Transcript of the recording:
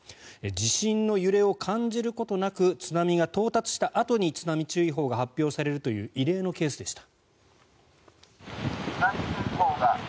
地震の揺れを感じることなく津波が到達したあとに津波注意報が発表されるという異例のケースでした。